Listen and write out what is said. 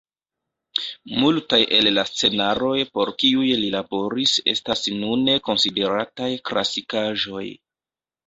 Multaj el la scenaroj por kiuj li laboris estas nune konsiderataj klasikaĵoj.